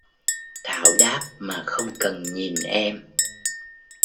Thảo đáp mà không cần nhìn em